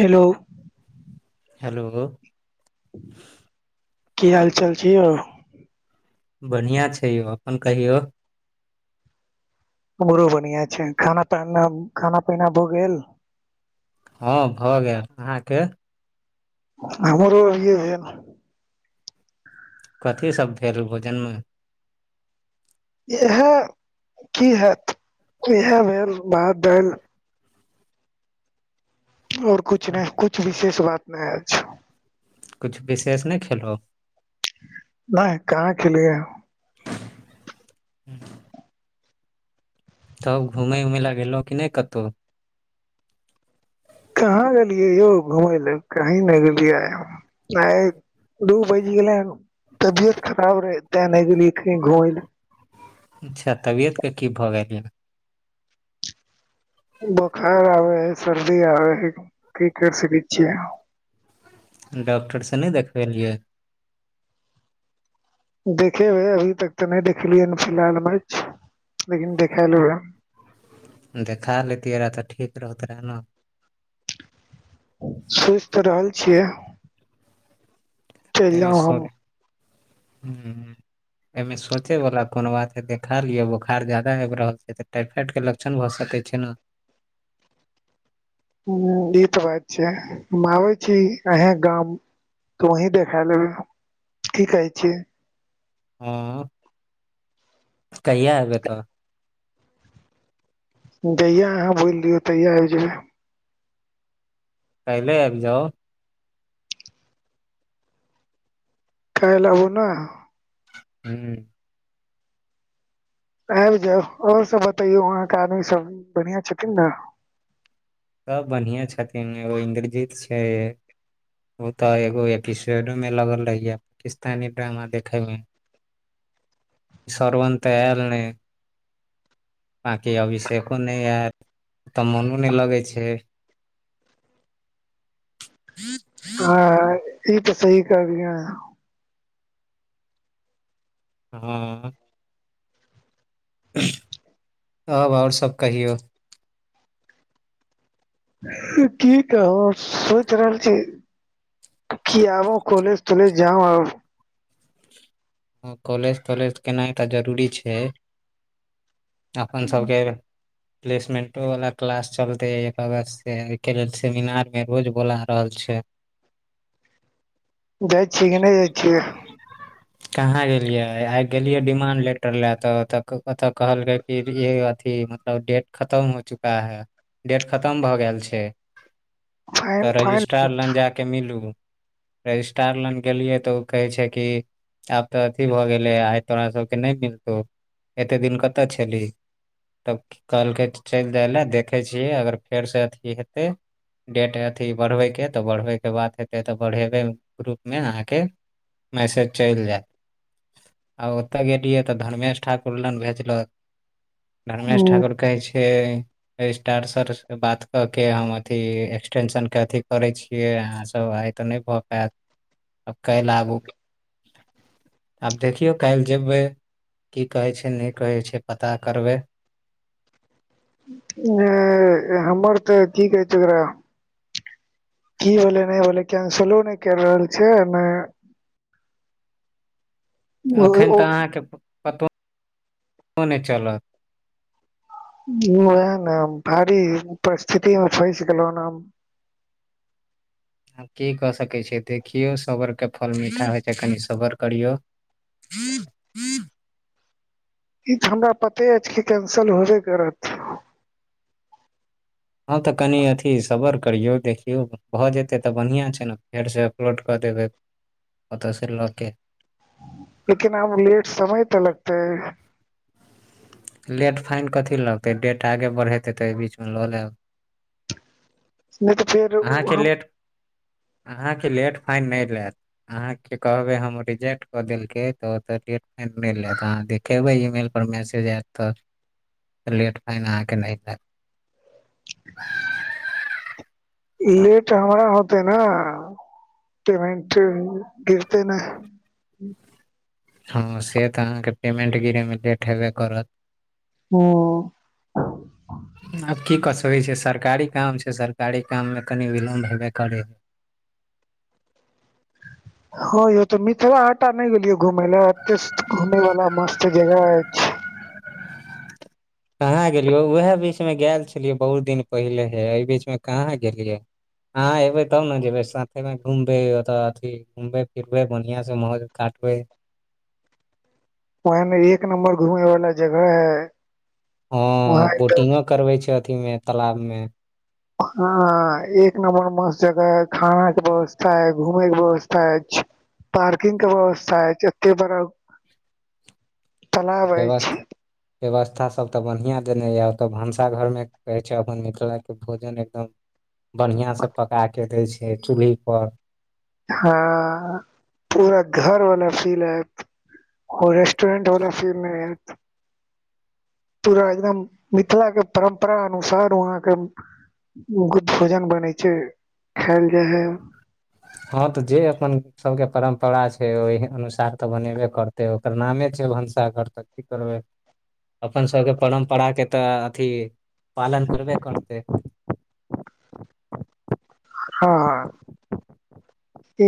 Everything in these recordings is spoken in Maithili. हेलो हेलो की हाल चाल छै यौ बढ़िआँ छै यौ अपन कहियौ हमरो बढ़िया छै खाना प खाना पीना भऽ गेल हँ भऽ गेल अहाँके हमरो अभीईये भेल कथी सब भेल भोजन मे इहै की हत इएह भेल भात दैल ओर किछु नय किछु विशेष बात नय अछ। किछु विशेष नय खेलौं। नय कहाॅं खेलियै हन। [inaudible] तब घुमै उमै लऽ गेलौं कि नै कतौ कहाँ गेलियै यौ घुमै लऽ कही नै गेलियै आइ हम। आय दू बैज गेलै हनू तबियत खराब रहे तै नै गेलियै कही घुमै ल ऽ अच्छा तबियत कऽ की भऽ गेलै य ऽ बोखार आबै है सर्दी आबै है कि करी सकै छियै हम। डॉक्टर से नै देखबेलियै। देखेबै अभी तक तऽ नै देखलियै फिलहाल मे अछि लेकिन देखाय लेबै हम। देखा लैतियै रहै तऽ ठीक रहत रहै न। सोच तऽ रहल छियै। चलि जाउ हम [unintelligible] एमें सोचे वाला कोन बात है देखा लिया बोखार जादा आइब रहल छै तऽ टाइफाइड कऽ ल क्षन भऽ सकै छै न। हु ई तऽ बात छै हम आबै छी अहै केँ गाम। तऽ वही देखा लेबै [inaudible] की कहै छियै हु [inaudible] कहिआ एबै तऽ। जहिया अहाँ बोल दियो तहिया आइब जेबै। काईले आइब जाउ। काइल आबू न। [unintelligible] आइब जैब और सब बतैयौ वहाँ केँ आदमी सब बढ़िआ छथिन न। सब बढ़िया छथिन एगो इन्द्रजीत छै ओ तऽ एगो एपिसेडो में लगल रहैय [unintelligible] ड्रामा देखे मे। [inaudible] श्रवण तऽ ऐल नै। बांकी अभिषेको नै ऐत तऽ मोनो नै लगै छै। [unintelligible] [unintelligible] ई तऽ सही कहलिय अहाॅं। हु [unintelligible] तब और सब कहियौ। की कहू सोच रहल छी। खी आबो कॉलज ताॅलेज जाउ आब। हं कॉलेज तॉलेज केनाइ तऽ जरूरी छै। [inaudible] अपन सभ केँ आइबेर प्लेसमेंटो वला क्लास चलते एक अगस्त से अयकेँ लेल सेमिनार में रोज बोला रहल छै। जाइ छियै कि नै जाइ छियै। कहाँ गेलियै आइ गेलियै डिमांड लेटर लए तऽ ओ तऽ ओ तऽ कहलकै [unintelligible] अथी मतलब डेट खतम हो चुका है। डेट खतम भऽ गेल छै [inaudible] फाइन तऽ फाइन रजिस टार लंग जा कऽ मिलु रजिस्टार लंग गेलिये तऽ उ कहे छै की आब तऽ अथी भऽ गेले आइ तोरा सब कऽ नै मिलतौ एते दिन कऽ तऽ छेलही तब कहलकै चैल जाइ लए देखै छियै अगर फेर स अथी हेतै डेट अथी बढ़बय केँ तऽ बढ़बय केँ बात हेतै तऽ बढ़ेबै रुप में अहाँ केँ मैसेज चैल जैत आ ओ तऽ गेलियै तऽ धर्मेश ठाकुर लग भेजलक। धर्मेश ठाकुर कहै छै स्टार सरसँ बात कऽ के हम अथि एक्सटेंशनके अथि करैत छी के अहाँ सब आइ तऽ नहीं कय पायत आब काईल आबू आब देखियौ काल्हि जेबैय की कहै छैय नहि कहै छैय पता करबै नय‍ हमर तऽ की कहैय छैय एकरा की भेलै नहि भेलै केंसिलो नहि कय रहल छैय नहि एखन ओ तऽ अहाँके पतो नहि चलत वएह ने भारी परिस्थिति मे फसि गेलो हन हम आब की कऽ सकैत छियै देखियौ सबरके फल मीठा होइ छैय कनि सबर करियौ क [unintelligible] ई त हमरा पते अछि कि कैंसल होबे करत हँ तऽ कनि अथी सबर करियौ देखियौ भऽ जेतै तऽ बढ़िआँ छैय ने फेरसँ लोड कऽ देबै ओतऽ से लऽ के लेकिन आब लेट समय तऽ लगते लेट फाइन कथी लगतै डेट आगे बढ़ेतै तऽ ऐ बीचमे लऽ लेब नहि तऽ फेर अहाँके हम लेट अहाँके लेट फाइन नहि लेत अहाँ के कहबै हम रिजेक्ट कऽ देलकै तऽ तऽ लेट फाइन नहि लेत अहाँ खबै ईमेल पर मैसेज आयत तऽ लेट फाइन अहाँके नहि लैत लेट हमरा होते ने पेमेंट गिरते ने हँ से तऽ अहाँके पेमेंट गिरेमे लेट हेबे करत हऽ [inaudible] आब की कऽ सकै छिये सरकारी काम छैय सरकारी काममे कनि विलम्ब हेबे करै हँ यौ तऽ मिथिला हाट नहि गेलियै घूमेय ले एत घूमय वाला मस्त जगह अछि कहाँ गेलियै उएह बीचमे गेल छलियै बहुत दिन पहिले ‌ एहि बीचमे कहाँ गेलियै आहाॅं एबै तब ने जेबै साथमे घुमबैऽ ओतऽ अथि घूमबे फिरबे बढ़ियां से मौज काटबै ओहेमे एक नम्बर घूमै वाला जगह अय हॅं बोटिंगो करबे छैय अथी में तालाब में हँ एक नम्बर मस्त जगह है खाना के व्यवस्था है घूमेय के व्यवस्था अछि पार्किंग कऽ व्यवस्था ऐछ हते बड़ अछि व्यवस्थ व्यवस्था सभ तऽ बढ़िआँ देने य ओतऽ भनसाघरमे कहै छैय अपन मिथिलाके भोजन एकदम बढ़िआँ सँ पकाके दै छैय चूल्ही पर हँ पूरा घर वाला फील आयत होरेस्ट ट्रेंड वाला फील ने आयत पूरा एकदम मिथिला के परम्परा अनुसार वहाँके उको भोजन बनै छैय खायल जाइ है हँ तऽ जे अपन सबके परम्परा छैय ओहि अनुसार तऽ बनेबे करते ओ एकर नामे छैय भनसाघर तऽ की करबै अपन सभके परम्पराके तऽ अथी पालन करबे करतै हँ हॅं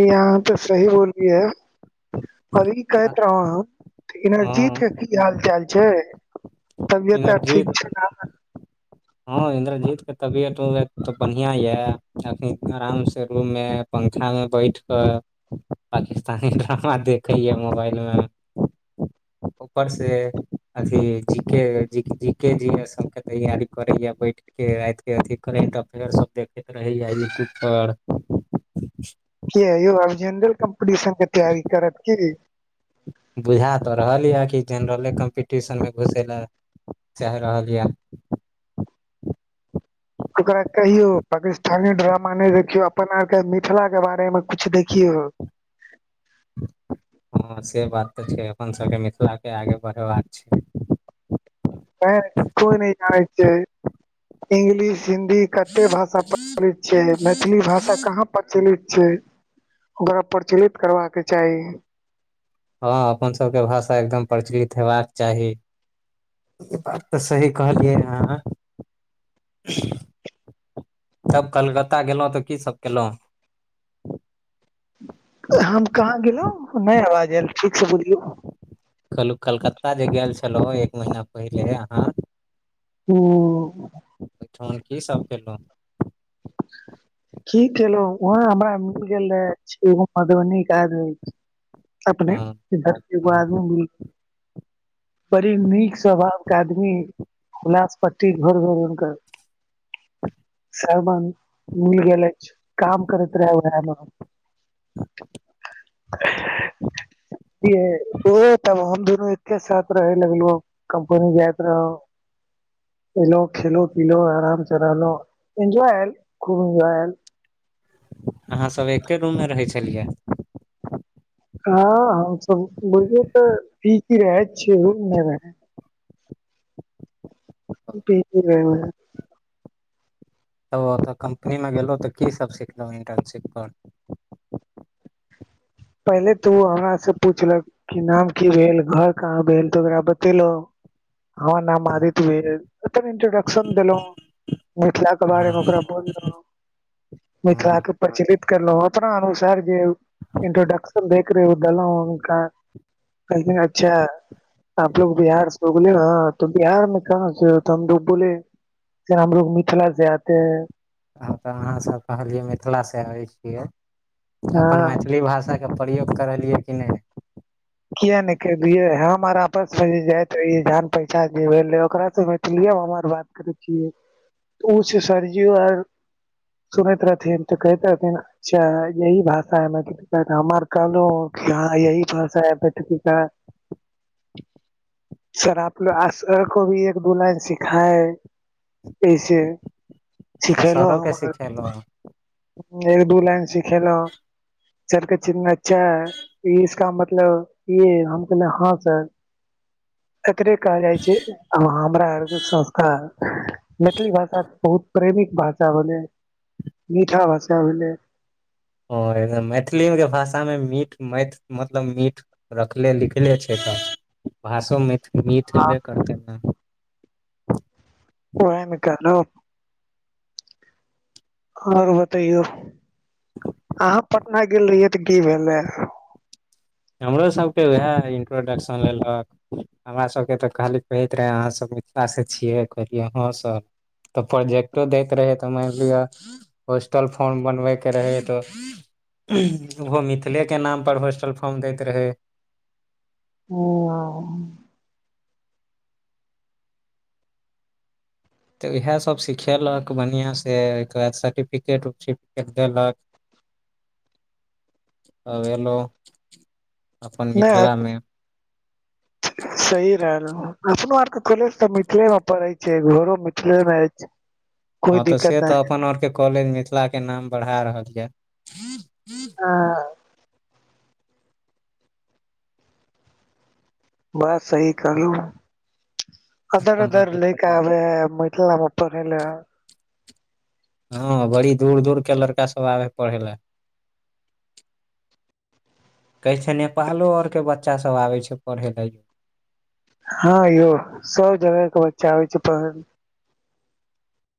ई अहाँ तऽ सही बोल लिए अब ई कहैत रहौ हम इनरजीत हँ के की हाल चाल छैय तबियत आब ठीक छैय नऽ ह इन्द्रजीत के तबियत उबियत तऽ बढ़िया ये अखनी आराम से रूम मे पंखा मे बैठ कऽ पाकिस्तानी ड्रामा देखे या मोबाइल मे ऊपर से अथी जी के जी के जी मे से तैयारी करैया बैठ के रात के अथी करेट अफेयर सभ देखैत रहैया यूट्यूब पर के यौ आब जेनरल कम्पीटिशन के तैयारी करत कि बुझा तऽ रहल यऽ कि जेनरले कम्पीटिशनमे घुसै लए चाहि रहल य ओकरा कहियो पाकिस्तानी ड्रामा नहि देखियौ अपना आर के मिथिला के बारे मे कुछ देखियऔ ह से बात तऽ छै अपन सभके मिथिलाके आगे बढ़ेबा कऽ छै हे कोय नहि जाने छै इंगलिश हिंन्दी कते भाषा प्रचलित छै मैथिली भाषा कहा प्रचलित छै ओकरा प्रचलित करबाकऽ चाही ह अपन सभके भाषा एकदम प्रचलित हेबाक चाही ई बात तऽ सही कहलियै अहा तब कलकत्ता गेलहु तऽ कि सभ केलहु हम कहा गेलहुँ नहि आवाज आयल ठीक से बुलियौ कल कलकत्ता जे गेल छलहु एक महीना पहिले अहाँ ह ओठाय कि सभ केलहु कि केलो उहा हमरा मिल गेल सेहो मधुबनी के आदमी अपने हँ मिथिला के एगो हँ आदमी मिल गेल रहा बड़ी नीक स्वभाव के आदमी उलास पट्टी घर भेल हुनकर सबान। मील गेल ऐछ काम करैत रहै उहा मे हम उहा तऽ हम दुनू एके साथ रहे लगलो कम्पनी जाइत रहो। एल खेलो पिलो आराम से रहलो एन्जॉय आल खूब एन्जॉय आलऽ अहाँ सभ एके रूम मे रहै छलियै ह हमसभ बोलये तऽ ठीक ही रहै छियै रूम मे रहे [unintelligible] तब ओतय कम्पनीमे गेलहुँ तऽ कि सभ सिखलहुँ इटर्नशिपर पहिले ते ओ हमरा से पूछल कऽ कि नाम कि भेल घर कहाँ भेल तऽ ओकरा बतेलहु ह नाम हँ आदित्य भेलेद इंट्रोडक्शन देलहुँ मिथिला के बारे हँ मे ओकरा बोलो मिथिला हँ के प्रचलितऽ करलो अपना अनुसार जे इंट्रोडक्शन देय के रहे ओ देलो हुनका कहखिन अच्छा आप लोग बिहारसँ ह बोले हा तऽ बिहारमे कहाँ से होतो हम तऽ बोले हम लोग मिथिला से आते है आब तऽ अहाँ सभ कहलियै मिथिलासँ आबै छियै अपन हाँ मैथिली भाषा। प्रयोग करलियै कि नहि। किया नहि के लीये हमार आपस मे जाय तऽ जान पहचान जे भेले ओकरा से मैथिलीए हम बात करै छियै छै सरजी आर सुनैत रहथिन तऽ कहैत रथिन अच्छा है यही भाषा है मैथिली मे हम आर कहलहु कि हा यही भाषा है कविता। सर आप लोग आर को भी एक दू लाइन सिखा एहिसे अच्छा सिखेलो सरो हम के आहाँ सिखेलहुँ एक दू लाइन सिखेलो [inaudible] इसका मतलब इ हे हम कहलिए हँ सर एकरे कहल जाइ छै हमरा आर के संस्कार मैथिली भाषा बहुत प्रेमिक भाषा भेलै मिठा भाषा भेलै [inaudible] ओ ऐखन मैथिलीे भाषामे मीठ मेत मतलब मीठ रखले लिखले छै तऽ भाषोमे मीठ हेबे करतै ने [unintelligible] उहे ने कहलो ओर बताइओ अहाँ पटना गेल रहिय तऽ की भेलै रहे हमरो सबके उएहे इंट्रोडक्शन लेहलक हमरा सभके तऽ खाली कहैत रहै अहाँ सभ मिथिला से छियै कहलियै ह सर तऽ प्रोजेक्टो दैत रहे तऽ मेनलिअ होस्टल फॉर्म बन बैके रहै तऽ ओहो मिथिले के नाम पर होस्टल फॉर्म दैत रहै [unintelligible] तऽ इएह सभ सिखेलक बढ़िआँ से ओइ के बाद सर्टिफिकेट उर्टिफिकेट देलक अब एलो अपन नहि मिथिला मे सही रहल अपनो आर के कॉलेज तऽ मिथिले मे पड़ै छैय घरो मिथिले मे कोइ हँ तऽ दिक्कत से तऽ नहि अपन आर के कॉलेज मिथिला के नाम बढ़ा रहल यै आ [unintelligible] बस सही कहलु अदर अदर लैक आबै है मिथिला मे पढ़ेल हँ बड़ी दूर दूर के लड़का सब आबे है पढ़े लए कहे छै नेपालो आर के बच्चा सब आबे छै पढ़े लेय हँ यो सब जगके बच्चा आबै छै पढे लेल